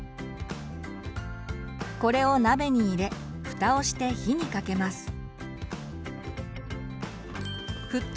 これを鍋に入れ蓋をして火にかけます。